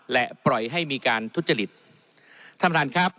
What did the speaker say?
และปล่อยให้มีการทุจจลิตท่านพระมนตรีครับ